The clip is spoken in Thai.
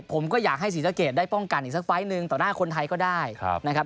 ผมก็อยากให้ศรีสะเกดได้ป้องกันอีกสักไฟล์หนึ่งต่อหน้าคนไทยก็ได้นะครับ